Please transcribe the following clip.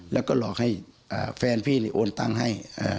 แล้วก็หลอกให้แฟนพี่โอนตังค์ให้